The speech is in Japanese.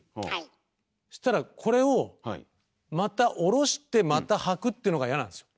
そしたらこれをまた下ろしてまたはくっていうのが嫌なんですよ。